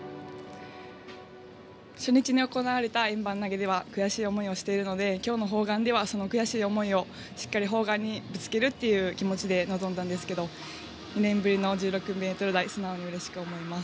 初日に行われた円盤投げでは悔しい思いをしているので今日の砲丸ではその悔しい思いをしっかり砲丸にぶつける気持ちで臨んだんですけど４年ぶりの１６ｍ台素直にうれしく思います。